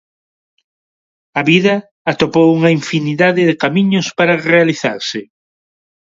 A vida atopou unha infinidade de camiños para realizarse.